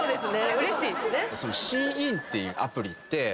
うれしいですね。